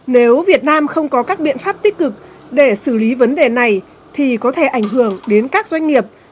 nếu việt nam không có các biện pháp tích cực để xử lý vấn đề này thì có thể ảnh hưởng đến các doanh nghiệp